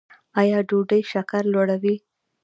ایا ډوډۍ شکر لوړوي؟